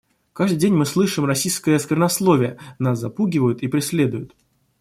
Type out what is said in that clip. Каждый день мы слышим расистское сквернословие, нас запугивают и преследуют.